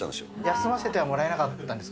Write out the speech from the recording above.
休ませてはもらえなかったんですか。